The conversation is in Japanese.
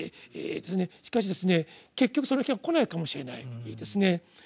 しかしですね結局その日は来ないかもしれないですね。